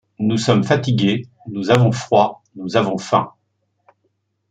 Nous sommes fatigués, nous avons froid, nous avons faim.